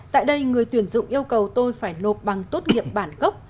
tại đây người tuyển dụng yêu cầu tôi phải nộp bằng tốt nghiệp bản gốc